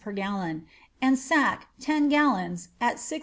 per gallon ; and sack, ten gallons, at lOd.